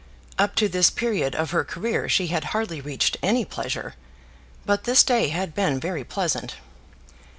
Up to this period of her career she had hardly reached any pleasure; but this day had been very pleasant.